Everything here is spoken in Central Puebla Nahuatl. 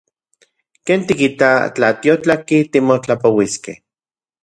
¿Ken tikita tla tiotlatki timotlapouiskej?